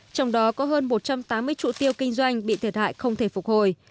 trong đó có hơn một trăm tám mươi trụ tiêu kinh doanh bị thiệt hại không thể phục hồi